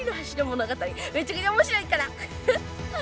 めちゃくちゃ面白いから。